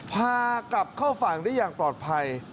พากลับเข้าฝั่งได้อย่างปลอดภัย